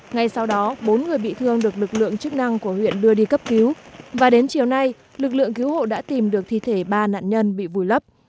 ngay sau đó bốn người bị thương được lực lượng chức năng của huyện đưa đi cấp cứu và đến chiều nay lực lượng cứu hộ đã tìm được thi thể ba nạn nhân bị vùi lấp